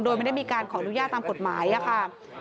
โดยไม่ได้มีการขออนุญาตตามกฎหมายค่ะ